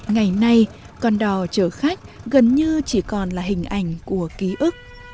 ngày nay con đò chở khách gần như chỉ còn là hình ảnh của ký ức